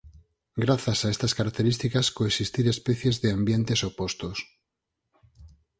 Grazas a estas características coexistir especies de ambientes opostos.